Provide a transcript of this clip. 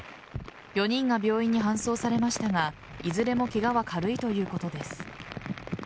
４人が病院に搬送されましたがいずれもケガは軽いということです。